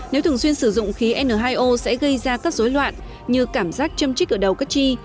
nếu thường xuyên sử dụng khí n hai o sẽ gây ra các dối loạn như cảm giác châm trích ở đầu cất chi